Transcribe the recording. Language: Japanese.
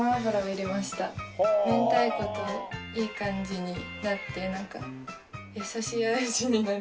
明太子といい感じになってなんか優しい味になる。